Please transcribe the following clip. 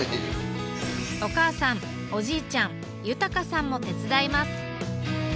お母さんおじいちゃん豊さんも手伝います。